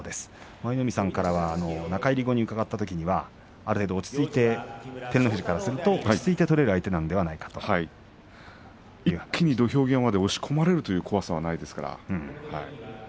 舞の海さんから中入り後に伺ったときには照ノ富士からすると落ち着いて取れる相手なのではないか一気に土俵際まで押し込まれるという怖さはありませんから。